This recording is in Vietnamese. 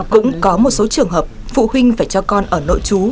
cũng có một số trường hợp phụ huynh phải cho con ở nội trú